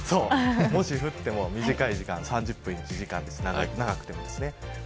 もし降っても短い時間３０分から１時間ぐらいです。